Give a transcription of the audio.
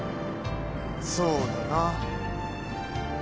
そうだな。